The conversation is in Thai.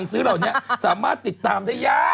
คุณหมอโดนกระช่าคุณหมอโดนกระช่า